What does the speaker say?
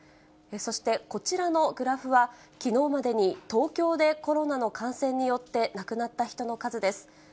そしてこちらのグラフは、きのうまでに東京でコロナの感染によって亡くなった人の数です。